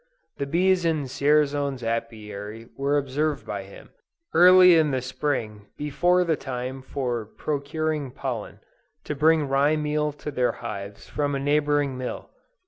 The bees in Dzierzon's Apiary were observed by him, early in the spring before the time for procuring pollen, to bring rye meal to their hives from a neighboring mill.